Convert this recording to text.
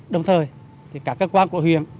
đồng thời các cơ quan của huyện